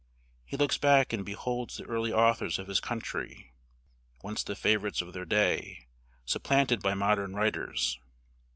He looks back and beholds the early authors of his country, once the favorites of their day, supplanted by modern writers.